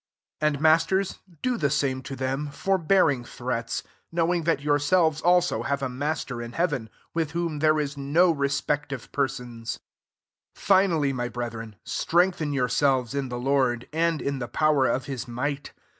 9 And, masters, do the same p them, forbearing threats: powing that yourselves also |p>ve a Master in heaven, with l^om there is no respect of llBfsons. J 10 Finally, [my brethren,] BDgthen yourselves in the and in the power of his ^ht.